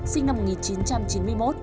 sinh năm một nghìn chín trăm chín mươi một